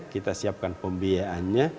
kita siapkan pembiayaannya